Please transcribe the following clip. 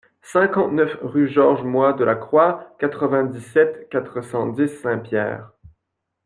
cinquante-neuf rue Georges Moy de la Croix, quatre-vingt-dix-sept, quatre cent dix, Saint-Pierre